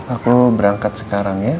aku berangkat sekarang ya